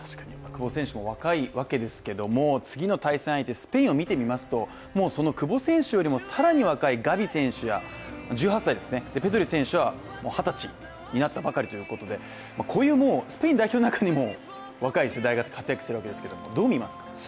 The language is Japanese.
久保選手も若いわけですけれども次の対戦相手、スペインを見てみますとその久保選手よりも更に若いガビ選手や、１８歳、そしてペドリ選手は二十歳になったばかりということでこういうスペイン代表の中にも若い世代が活躍しているわけですけれどもどうみますか？